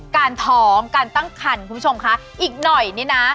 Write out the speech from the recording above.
ท้องการตั้งคันคุณผู้ชมคะอีกหน่อยนี่นะ